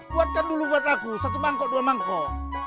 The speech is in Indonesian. buatkan dulu buat aku satu mangkok dua mangkok